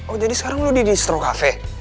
oh jadi sekarang lo di distro cafe